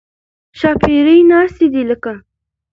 ښاپېرۍ ناستې دي لکه